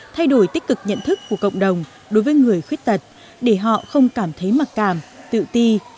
thay đổi tích cực nhận thức của cộng đồng đối với người khuyết tật để họ không cảm thấy mặc cảm tự ti